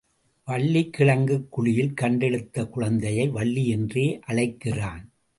வள்ளிக் கிழங்குக் குழியில் கண்டெடுத்த குழந்தையை வள்ளி என்றே அழைக்கிறான்.